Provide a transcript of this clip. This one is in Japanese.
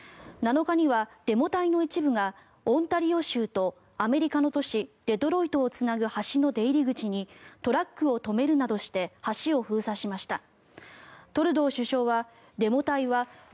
７日にはデモ隊の一部がオンタリオ州とアメリカの都市デトロイトをつなぐ橋の出入り口にトラックを止めるなどして橋を封鎖しました。